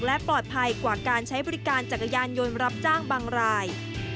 และปลอดภัยกว่าการใช้บริการจักรยานยนต์รับจ้างบางราย